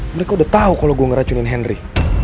mereka udah tau kalo gue ngeracunin henry